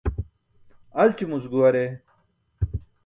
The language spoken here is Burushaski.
Alćumuc guware.